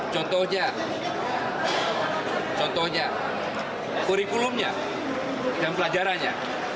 contohnya atej kurikulum dan pelajarannya